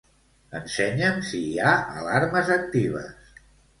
Ensenya'm si hi ha alarmes actives.